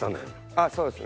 あっそうです。